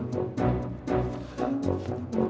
juran lo penyihir